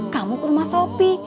kamu ke rumah sopi